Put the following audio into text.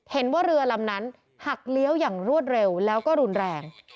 เห็นว่าเรือลำนั้นหักเลี้ยวอย่างรวดเร็วแล้วก็รุนแรง